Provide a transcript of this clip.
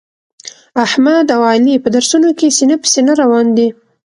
احمد او علي په درسونو کې سینه په سینه روان دي.